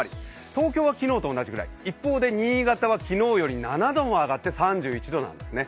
東京は昨日と同じくらい、一方で新潟は昨日より７度も上がって３１度なんですね。